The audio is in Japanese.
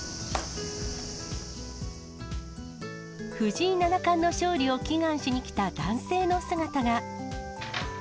藤井七冠の勝利を祈願しにきた男性の姿が。